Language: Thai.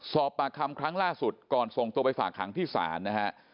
สอบปากคำครั้งล่าสุดก่อนส่งตัวไปฝากหางที่ศาลนะฮะ